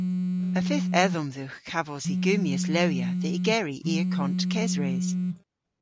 Y fydh edhom dhywgh kavos y gummyas lewya dhe ygeri y akont kesres.